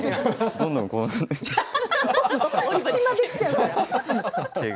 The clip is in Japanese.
どんどんこうなっていっちゃう。